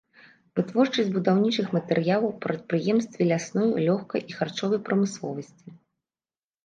Вытворчасць будаўнічых матэрыялаў, прадпрыемствы лясной, лёгкай і харчовай прамысловасці.